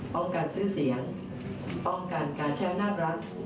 ป้องกันซื่อเสียงป้องกันการแช่งหน้ารัก